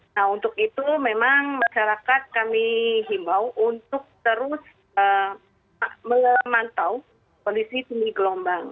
nah untuk itu memang masyarakat kami himbau untuk terus memantau kondisi tinggi gelombang